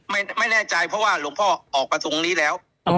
ไม่ไม่แน่ใจเพราะว่าหลวงพ่อออกมาตรงนี้แล้วอ๋อ